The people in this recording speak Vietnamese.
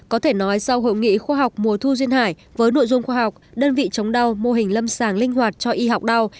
có thể nói sau hội nghị khoa học mùa thu duyên hải với nội dung khoa học đơn vị chống đau mô hình lâm sàng linh hoạt cho y học đau